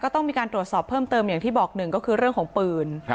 ต้องมีการตรวจสอบเพิ่มเติมอย่างที่บอกหนึ่งก็คือเรื่องของปืน